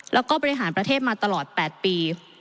แล้วก็บริหารประเทศมาตลอด๘ปี